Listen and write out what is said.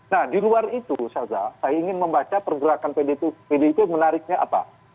nah di luar itu saya ingin membaca pergerakan pd itu menariknya apa